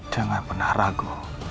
jangan pernah ragu